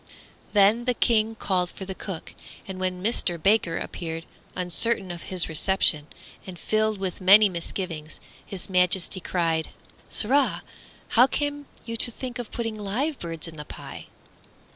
Then the King called for the cook, and when Mister Baker appeared, uncertain of his reception, and filled with many misgivings, His Majesty cried, "Sirrah! how came you to think of putting live birds in the pie?"